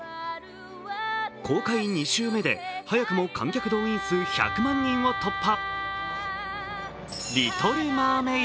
公開２週目で、早くも観客動員数１００万人を突破。